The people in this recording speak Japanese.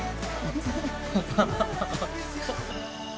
ハハハハハ。